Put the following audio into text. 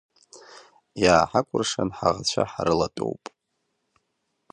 Иааҳакәыршан ҳаӷацәа ҳрылатәоуп…